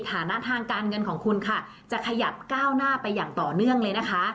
ฐานะทางการเงินของคุณค่ะจะขยับก้าวหน้าไปอย่างต่อเนื่องเลยนะคะ